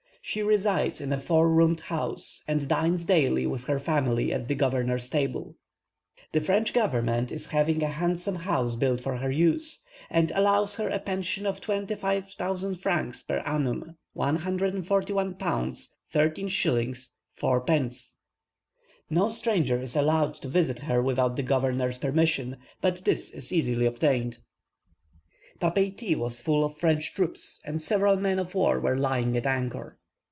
She resides in a four roomed house, and dines daily, with her family, at the governor's table. The French government is having a handsome house built for her use, and allows her a pension of 25,000 francs per annum (1 pounds,041 13s. 4d.). No stranger is allowed to visit her without the governor's permission, but this is easily obtained. Papeiti was full of French troops, and several men of war were lying at anchor.